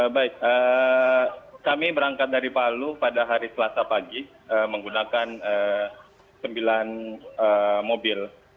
baik kami berangkat dari palu pada hari selasa pagi menggunakan sembilan mobil